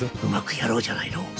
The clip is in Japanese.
うまくやろうじゃないの。